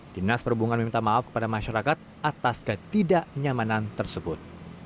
dinas perhubungan meminta maaf kepada masyarakat atas ketidaknyamanan tersebut